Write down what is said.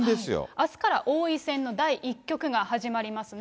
あすから王位戦の第１局が始まりますね。